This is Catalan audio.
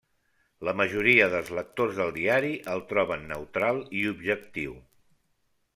La majoria dels lectors del diari el troben neutral i objectiu.